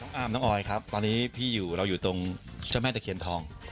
อามน้องออยครับตอนนี้พี่อยู่เราอยู่ตรงเจ้าแม่ตะเคียนทอง